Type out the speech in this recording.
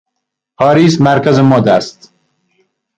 پاریس مرکز مد است.